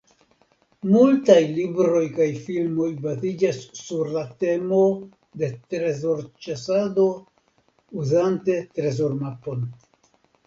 Multaj libroj kaj filmoj baziĝas sur la temo de trezorĉasado uzante trezormapon.